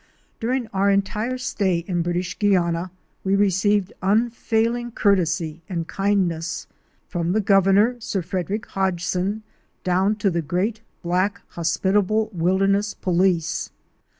During our entire stay in British Guiana we received unfailing courtesy and kindness, — from the Governor, Sir Frederick Hodgson, down to the great black hospitable wilderness police.